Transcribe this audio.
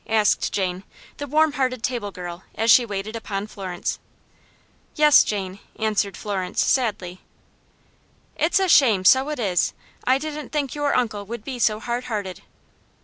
asked Jane, the warm hearted table girl, as she waited upon Florence. "Yes, Jane," answered Florence, sadly. "It's a shame, so it is! I didn't think your uncle would be so hard hearted."